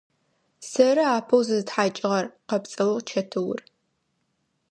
Сэры апэу зызытхьакӏыгъэр! – къэпцӏэугъ Чэтыур.